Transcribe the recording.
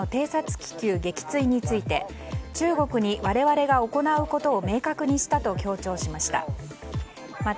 気球撃墜について中国に我々が行うことを明確にしたと強調しました。